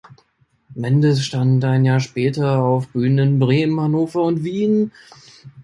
Mendes stand ein Jahr später auf Bühnen in Bremen, Hannover und Wien.